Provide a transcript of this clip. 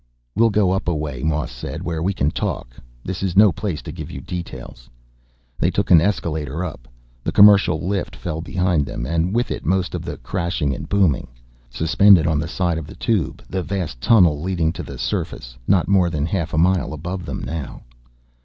"We'll go up a way," Moss said, "where we can talk. This is no place to give you details." They took an escalator up. The commercial lift fell behind them, and with it most of the crashing and booming. Soon they emerged on an observation platform, suspended on the side of the Tube, the vast tunnel leading to the surface, not more than half a mile above them now.